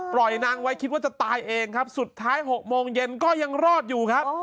นางไว้คิดว่าจะตายเองครับสุดท้าย๖โมงเย็นก็ยังรอดอยู่ครับ